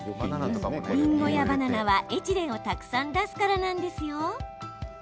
りんごやバナナは、エチレンをたくさん出すからなんです。